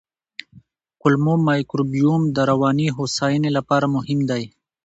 کولمو مایکروبیوم د رواني هوساینې لپاره مهم دی.